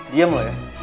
diam loh ya